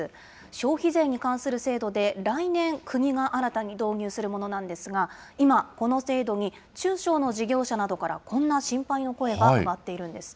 消費税に関する制度で、来年、国が新たに導入するものなんですが、今、この制度に中小の事業者などから、こんな心配の声が上がっているんです。